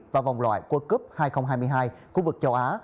và vòng loại world cup hai nghìn hai mươi hai khu vực châu á